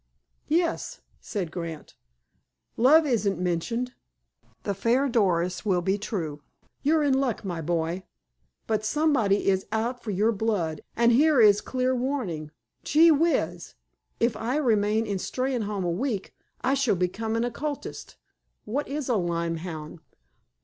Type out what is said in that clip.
_ "Yes," said Grant. "Love isn't mentioned. The fair Doris will be true. You're in luck, my boy. But somebody is out for your blood, and here is clear warning. Gee whizz! If I remain in Steynholme a week I shall become an occultist. What is a lyme hound?"